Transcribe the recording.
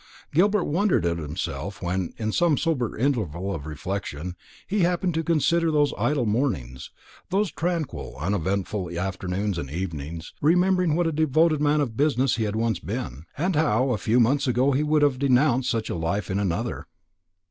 Gilbert wondered at himself when, in some sober interval of reflection, he happened to consider those idle mornings, those tranquil uneventful afternoons and evenings, remembering what a devoted man of business he had once been, and how a few months ago he would have denounced such a life in another.